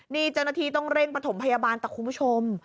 นี่จนนาทีต้องเร่งปฐมพยาบาลแต่คุณผู้ชม